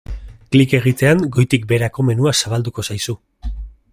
Klik egitean goitik-beherako menua zabalduko zaizu.